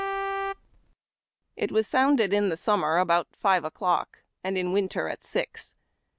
It was sounded in summer about five o'clock, and in winter at six.